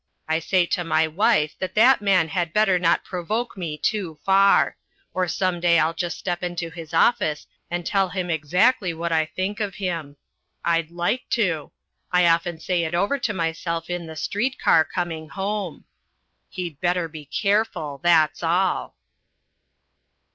I say to my wife that that man had better not provoke me too far; or some day I'll just step into his office and tell him exactly what I think of him. I'd like to. I often say it over to myself in the street car coming home. He'd better be careful, that's all.